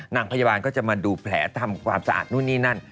นางพยาบาลก็จะมาดูแผลทำความสะอาดนู่นนี่นั่น